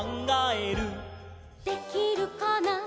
「できるかな」